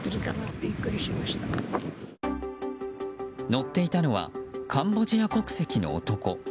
乗っていたのはカンボジア国籍の男。